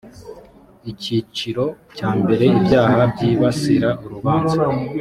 icyiciro cya mbere ibyaha byibasira urubanza